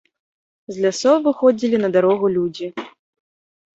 З лясоў выходзілі на дарогу людзі.